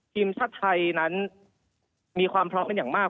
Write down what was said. ทีมชาติไทยนั้นมีความพร้อมกันอย่างมาก